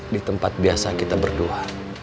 di tempat biasa kita berdua